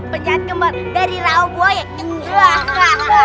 penyakit kembar dari rao boyek